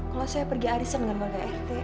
kalau saya pergi arisan dengan warga rt